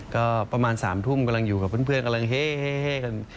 ก็ประมาณ๓ทุ่มกำลังอยู่กับเพื่อนกำลังเฮกัน